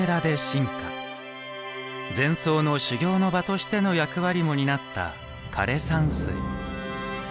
禅僧の修行の場としての役割も担った枯山水。